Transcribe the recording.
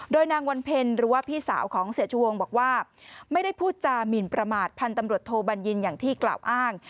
โดยนางวันเพ็ญหรือว่าพี่สาวของเสียชูวงบอกว่าไม่ได้พูดจามินประมาทพันธุ์ตำรวจโทบัญญินอย่างที่กล่าวอ้าง